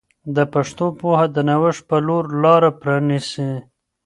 د پښتو پوهه د نوښت په لور لاره پرانیسي.